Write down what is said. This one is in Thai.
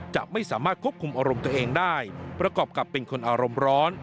จะไม่สามารถควบคุมอารมณ์ตัวเองได้ประกอบกับเป็นคนอารมณ์ร้อน